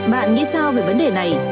bạn nghĩ sao về vấn đề này